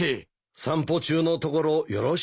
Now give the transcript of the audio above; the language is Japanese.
散歩中のところよろしいですかな？